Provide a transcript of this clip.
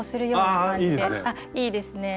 あいいですね。